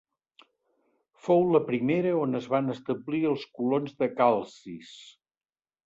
Fou la primera on es van establir els colons de Calcis.